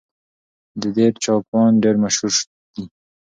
د دير چاکوان ډېر مشهور دي